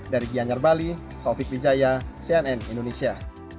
dari gianyar bali taufik wijaya cnn indonesia